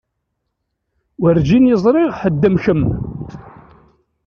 Werǧin i ẓriɣ ḥedd am kemm.